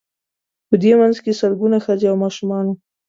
په دې منځ کې سلګونه ښځې او ماشومان وو.